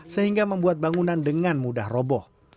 sehingga membuat bangunan dengan mudah roboh